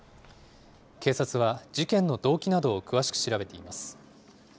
警察は事件の動機などを詳しく調べています。